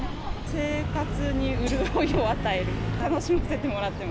生活に潤いを与える。